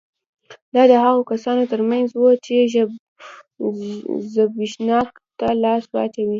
دا د هغو کسانو ترمنځ وو چې زبېښاک ته لاس واچوي